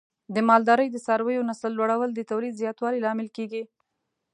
د مالدارۍ د څارویو نسل لوړول د تولید زیاتوالي لامل کېږي.